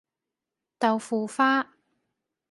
豆腐花